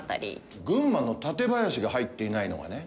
群馬の館林が入っていないのがね。